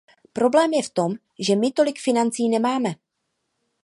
Problém je v tom, že my tolik financí nemáme.